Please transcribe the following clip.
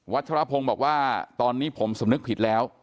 ชรพงศ์บอกว่าตอนนี้ผมสำนึกผิดแล้ว